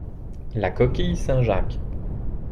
La coquille Saint-Jacques.